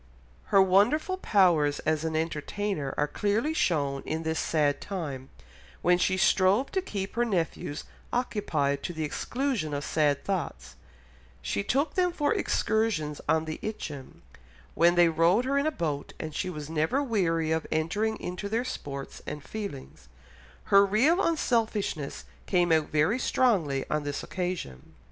Her wonderful powers as an entertainer are clearly shown in this sad time, when she strove to keep her nephews occupied to the exclusion of sad thoughts; she took them for excursions on the Itchen, when they rowed her in a boat, and she was never weary of entering into their sports and feelings; her real unselfishness came out very strongly on this occasion.